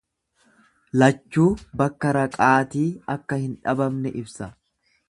Lachuu bakka raqaatii akka hin dhabamne ibsa.